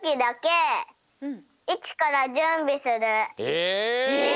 ええ！